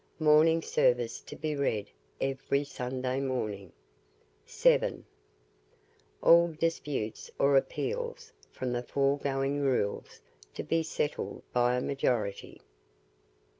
Morning service to be read every Sunday morning. 7. All disputes or appeals from the foregoing rules to be settled by a majority.